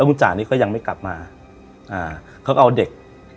บุญจ่านี้ก็ยังไม่กลับมาอ่าเขาก็เอาเด็ก